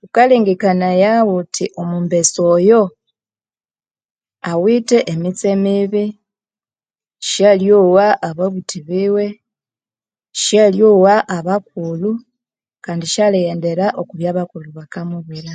Ghukalengekenaya wuthi omumbesa oyo awithe emitse mibi syalyowa ababuthi biwe Shalyowa abakulhu kandi syalighendera okwa byabakulhu bakamubwira